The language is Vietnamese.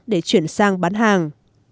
để chuyển sang bán hàng